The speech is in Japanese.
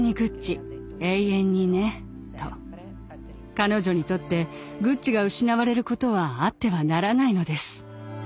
彼女にとってグッチが失われることはあってはならないのです。